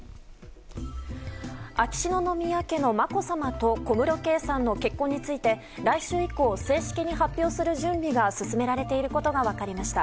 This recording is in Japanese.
秋篠宮家のまこさまと小室圭さんの結婚について来週以降、正式に発表する準備が進められていることが分かりました。